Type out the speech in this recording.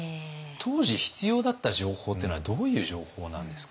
当時必要だった情報っていうのはどういう情報なんですかね。